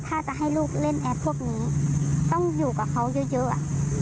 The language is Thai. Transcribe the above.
ถ้าจะให้ลูกเล่นแอดพวกนี้ต้องอยู่กับเขาเยอะเยอะอ่ะ